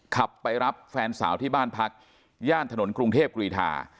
ขับไปรับแฟนสาวที่บ้านพักย่านถนนกรุงเทพกรีธา